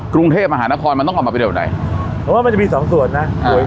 กรุงเทพมหานครมันต้องเอามาประเดิมไหนผมว่ามันจะมีสองส่วนนะ